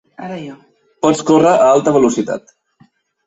Pot córrer a alta velocitat.